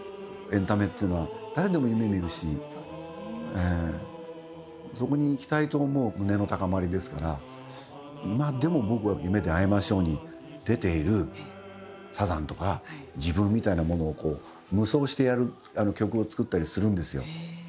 誰でも夢見るしそこに行きたいと思う胸の高まりですから今でも僕は「夢であいましょう」に出ているサザンとか自分みたいなものを夢想して曲を作ったりするんですよ。